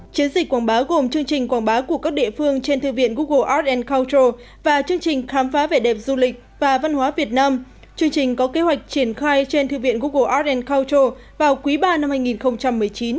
chiến dịch quảng bá gồm chương trình quảng bá của các địa phương trên thư viện google arts culture và chương trình khám phá về đẹp du lịch và văn hóa việt nam chương trình có kế hoạch triển khai trên thư viện google arts culture vào quý ba năm hai nghìn một mươi chín